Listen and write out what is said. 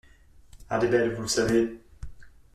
Ah des belles, vous savez!